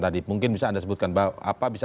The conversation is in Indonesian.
tadi mungkin bisa anda sebutkan bahwa apa bisa